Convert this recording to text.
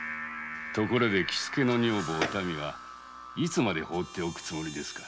喜助の女房お民はいつまでほっておくつもりですか？